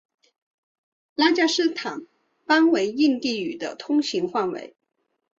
拉贾斯坦邦为印地语的通行范围。